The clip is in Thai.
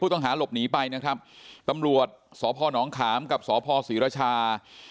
ต้องหาหลบหนีไปนะครับตำรวจสพนขามกับสพศรีรชา